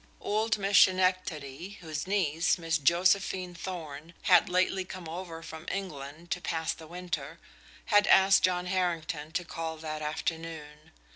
Old Miss Schenectady, whose niece, Miss Josephine Thorn, had lately come over from England to pass the winter, had asked John Harrington to call that afternoon.